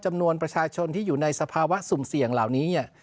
จำนวนประชาชนที่อยู่ในสภาวะสุ่มเสี่ยงเหล่านี้เนี่ย